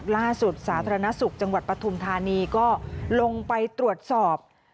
ล่าสุดสาธารณสุขจังหวัดปฐุมธานีก็ลงไปตรวจสอบ